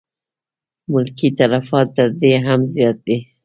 ملکي تلفات تر دې هم زیات دي.